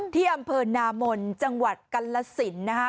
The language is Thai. ที่อำเภอนามนจังหวัดกัลสินนะคะ